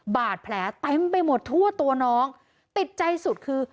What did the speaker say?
บาดแผลเต็มไปหมดทั่วตัวน้องติดใจสุดคือ